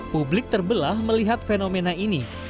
publik terbelah melihat fenomena ini